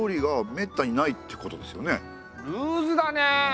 ルーズだねえ。